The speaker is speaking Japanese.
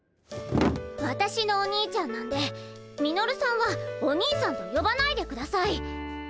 わたしのお兄ちゃんなんでミノルさんはお兄さんとよばないでください。